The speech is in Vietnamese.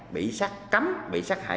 bị sát cấm bị sát hại